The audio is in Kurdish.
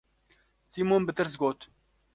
Sîmon bi tirs got: